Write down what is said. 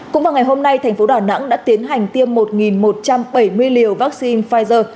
cũng vào ngày hôm nay thành phố đà nẵng đã tiến hành tiêm một một trăm bảy mươi liều vaccine pfizer